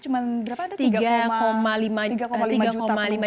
cuma berapa ada